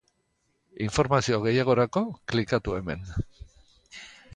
Informazio gehiagorako klikatu hemen.